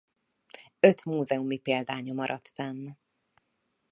Öt múzeumi példánya maradt fenn.